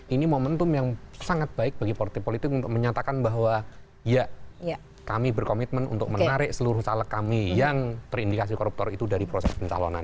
ini momentum yang sangat baik bagi partai politik untuk menyatakan bahwa ya kami berkomitmen untuk menarik seluruh caleg kami yang terindikasi koruptor itu dari proses pencalonan